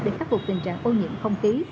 để khắc phục tình trạng ô nhiễm không khí